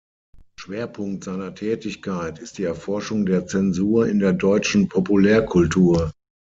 Schwerpunkt seiner Tätigkeit ist die Erforschung der Zensur in der deutschen Populärkultur.